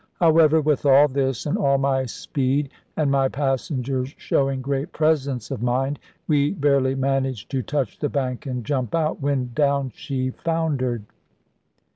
However, with all this, and all my speed, and my passengers showing great presence of mind, we barely managed to touch the bank and jump out, when down she foundered.